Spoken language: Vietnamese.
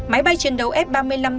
máy bay chiến đấu f ba mươi năm a